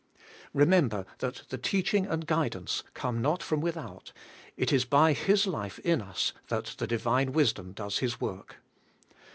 Kememberthat the teaching and guidance come not from without: it is by His life in us that the Divine wisdom does His work.